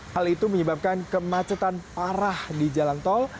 hal itu menyebabkan kemacetan parah di jalan tol